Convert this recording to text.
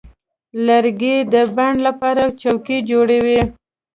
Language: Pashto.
لرګی د بڼ لپاره څوکۍ جوړوي.